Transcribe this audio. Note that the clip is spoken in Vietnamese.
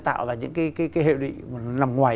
tạo ra những cái hệ lụy nằm ngoài